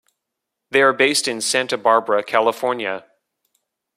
They are based in Santa Barbara, California.